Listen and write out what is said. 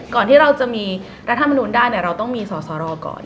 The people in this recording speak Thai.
ก่อนที่เราจะมีรัฐธรรมนุษย์ด้านเราต้องมีสอสรอก่อน